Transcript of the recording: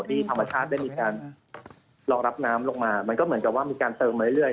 ที่ธรรมชาติได้มีการรองรับน้ำลงมามันก็เหมือนกับว่ามีการเติมมาเรื่อย